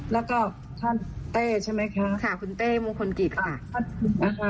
และก็ท่านเต้ใช่มั้ยคะค่ะคุณเต้มุงคนกิจ